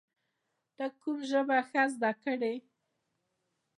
ته کوم ژبه ښه زده کړې؟